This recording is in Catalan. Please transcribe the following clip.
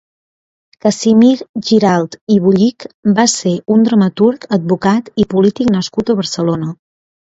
Casimir Giralt i Bullich va ser un dramaturg, advocat i polític nascut a Barcelona.